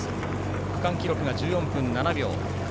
区間記録が１４分７秒。